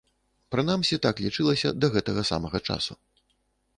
Прынамсі, так лічылася да гэтага самага часу.